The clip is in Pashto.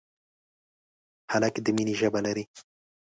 هلک د مینې ژبه لري.